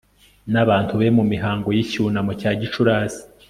n'abantu be mu mihango y'icyunamo cya gicurasi